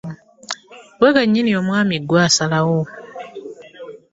Ggwe kennyini omwami ggwe osalawo.